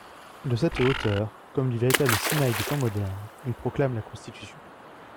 De cette hauteur, comme du véritable Sinaï des temps modernes, il proclame la Constitution.